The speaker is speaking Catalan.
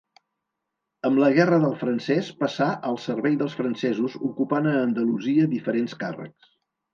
Amb la Guerra del Francès passà al servei dels francesos ocupant a Andalusia diferents càrrecs.